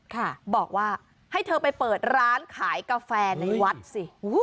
ค่ะบอกว่าให้เธอไปเปิดร้านขายกาแฟในวัดสิ